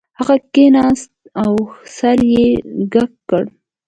هغه کښیناست او سر یې کږ کړ